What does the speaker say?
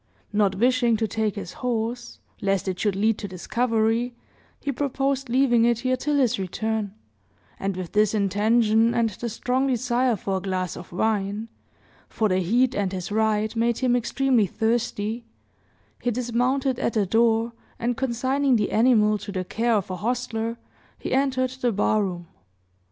Not wishing to take his horse, lest it should lead to discovery, he proposed leaving it here till his return; and, with this intention, and the strong desire for a glass of wine for the heat and his ride made him extremely thirsty he dismounted at the door, and consigning the animal to the care of a hostler, he entered the bar room.